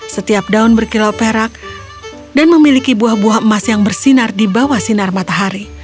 setiap daun berkilau perak dan memiliki buah buah emas yang bersinar di bawah sinar matahari